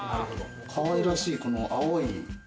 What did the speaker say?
かわいらしいこの青い。